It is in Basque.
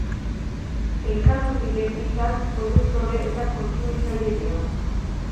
Elkartu diren hitzak, produktore eta kontsumitzaile dira.